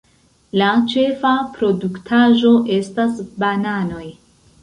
La ĉefa produktaĵo estas bananoj.